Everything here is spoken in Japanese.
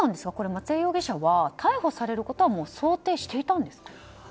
松江容疑者は逮捕されることは想定していたんですか？